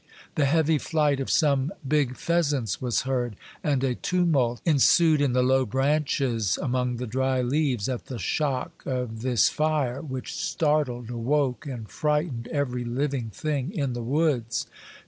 The heavy flight of some big pheasants was heard, and a tumult ensued in the low branches, among the dry leaves, at the shock of this fire, which startled, awoke, and frightened every living thing in the woods.